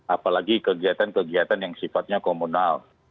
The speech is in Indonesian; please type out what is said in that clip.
apalagi kegiatan kegiatan yang sifatnya komunal